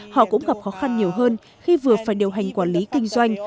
họ cũng gặp khó khăn nhiều hơn khi vừa phải điều hành quản lý kinh doanh